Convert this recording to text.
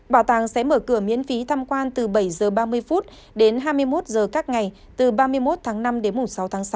bảo tàng sẽ mở cửa miễn phí tham quan từ bảy h ba mươi đến hai mươi một h các ngày từ ba mươi một tháng năm đến mùng sáu tháng sáu